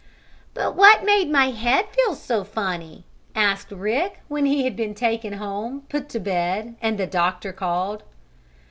"But what made my head feel so funny?" asked Rick, when he had been taken home, put to bed and the doctor called.